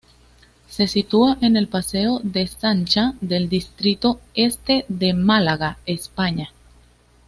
Se sitúa en el Paseo de Sancha del distrito Este de Málaga, España.